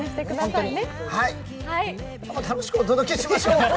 楽しくお届けしましょう。